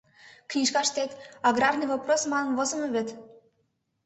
Книжкаштет «аграрный вопрос» манын возымо вет?